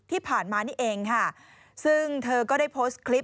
ที่ผ่านมานี่เองค่ะซึ่งเธอก็ได้โพสต์คลิป